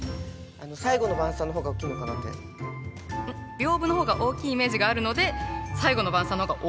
屏風の方が大きいイメージがあるので「最後の晩餐」のが大きい？